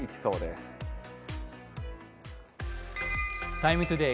「ＴＩＭＥ，ＴＯＤＡＹ」